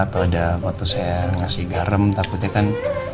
atau ada waktu saya ngasih garam takutnya kan